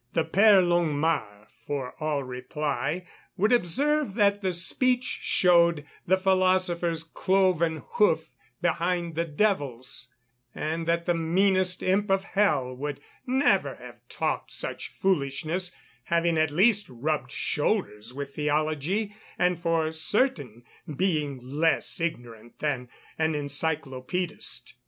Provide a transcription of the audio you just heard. The Père Longuemare, for all reply, would observe that the speech showed the philosopher's cloven hoof behind the devil's and that the meanest imp of hell would never have talked such foolishness, having at least rubbed shoulders with Theology and for certain being less ignorant than an Encyclopædist.